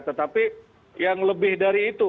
tetapi yang lebih dari itu